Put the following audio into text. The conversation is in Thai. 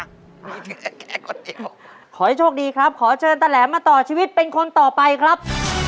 มีแค่ก๋วยเตี๋ยวขอให้โชคดีครับขอเชิญตะแหลมมาต่อชีวิตเป็นคนต่อไปครับ